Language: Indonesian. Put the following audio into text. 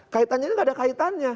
kaitannya ini gak ada kaitannya